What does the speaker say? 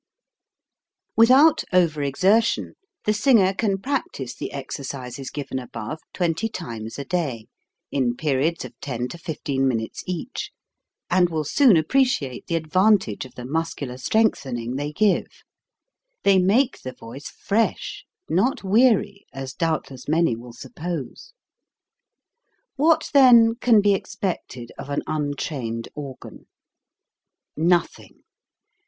Without over exertion, the singer can prac tise the exercises given above twenty times a CONNECTION OF VOWELS 213 day, in periods of ten to fifteen minutes each, and will soon appreciate the advantage of the muscular strengthening they give. They make the voice fresh, not weary, as doubtless many will suppose. What, then, can be expected of an un trained organ ? Nothing